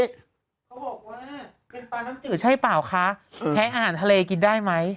เขาบอกว่าเป็นปลาน้ำจืดใช่เปล่าคะแพ้อาหารทะเลกินได้ไหม